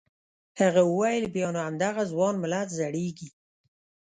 هغه وویل بیا نو همدغه ځوان ملت زړیږي.